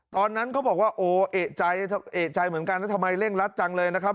ตอนนั้นเขาบอกว่าโอ้เอกใจเอกใจเหมือนกันแล้วทำไมเร่งรัดจังเลยนะครับ